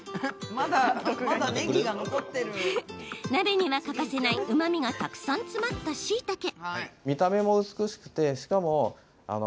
鍋には欠かせないうまみがたくさん詰まった、しいたけ。